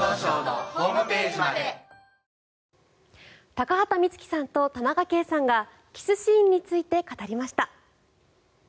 高畑充希さんと田中圭さんがキスシーンについて語りました。